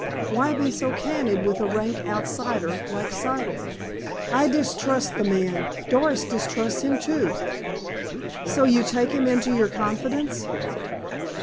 Why be so candid with a rank outsider, like Siddle?" "I distrust the man. Doris distrusts him, too." "So you take him into your confidence."